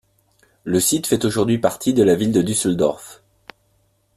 Le site fait aujourd'hui partie de la ville de Düsseldorf.